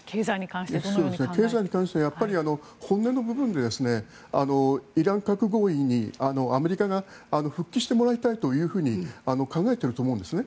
経済に関しては本音の部分でイラン核合意にアメリカが復帰してもらいたいと考えていると思うんですね。